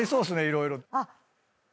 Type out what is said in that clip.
色々。